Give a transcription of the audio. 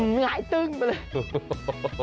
หงายตึ้งไปเลย